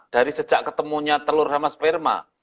dari sejak ketemunya telur sama sperma